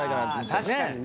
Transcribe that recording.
確かにね。